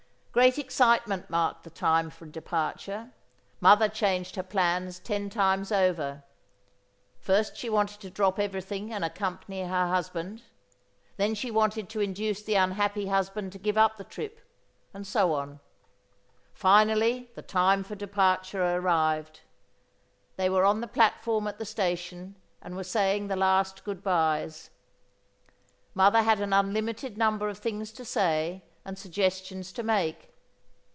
Great excitement marked the time for departure. Mother changed her plans ten times over. First she wanted to drop everything and accompany her husband; then she wanted to induce the unhappy husband to give up the trip, and so on. Finally the time for departure arrived. They were on the platform at the station and were saying the last good byes. Mother had an unlimited number of things to say and suggestions to make.